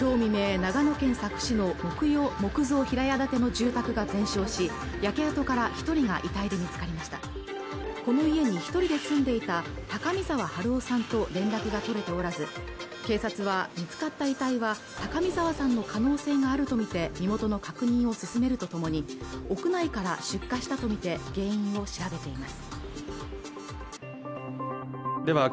長野県佐久市の木造平屋建ての住宅が全焼し焼け跡から一人が遺体で見つかりましたこの家に一人で住んでいた高見澤治夫さんと連絡が取れておらず警察は見つかった遺体は高見澤さんの可能性があると見て身元の確認を進めるとともに屋内から出火したとみて原因を調べています